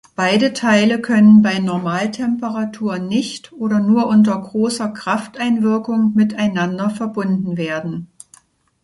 Beide Teile können bei Normaltemperatur nicht oder nur unter großer Krafteinwirkung miteinander verbunden werden.